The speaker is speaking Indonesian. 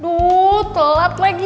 aduh telat lagi